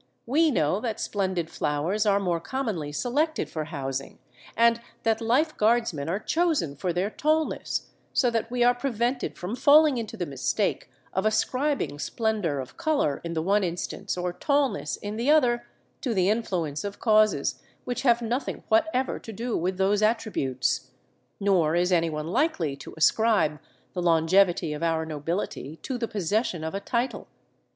We know that splendid flowers are more commonly selected for housing, and that Life Guardsmen are chosen for their tallness, so that we are prevented from falling into the mistake of ascribing splendour of colour in the one instance, or tallness in the other, to the influence of causes which have nothing whatever to do with those attributes; nor is anyone likely to ascribe the longevity of our nobility to the possession of a title.